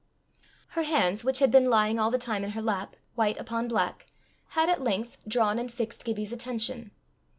Her hands, which had been lying all the time in her lap, white upon black, had at length drawn and fixed Gibbie's attention.